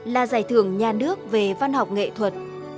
là giải thưởng nhà nước về văn học nghệ thuật